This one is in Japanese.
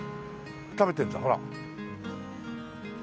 食べてるんだほら。